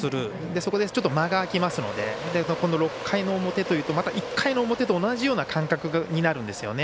そこでちょっと間が空きますので今度６回の表というと１回の表と同じような感覚になるんですよね。